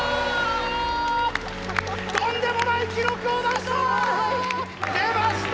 とんでもない記録を出した！